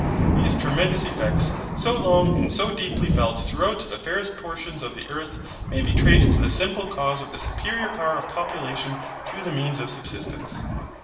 These tremendous effects, so long and so deeply felt throughout the fairest portions of the earth, may be traced to the simple cause of the superior power of population to the means of subsistence.